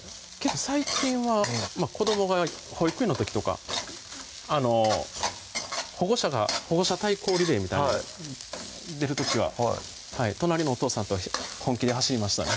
最近は子どもが保育園の時とか保護者対抗リレーみたいなの出る時は隣のお父さんと本気で走りましたね